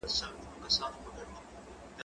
هغه څوک چي مرسته کوي مهربان وي